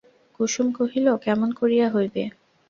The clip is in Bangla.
কুসুম কহিল, কেমন করিয়া হইবে।